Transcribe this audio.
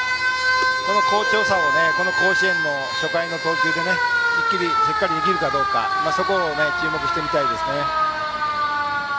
その好調さをこの甲子園の初回の投球でしっかり発揮できるかどうか注目して見てみたいですね。